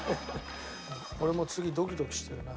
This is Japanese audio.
俺もう次ドキドキしてるな。